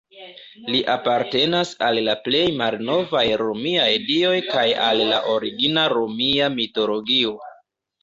Li apartenas al la plej malnovaj romiaj dioj kaj al la origina romia mitologio.